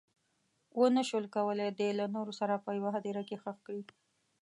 ونه شول کولی دی له نورو سره په یوه هدیره کې ښخ کړي.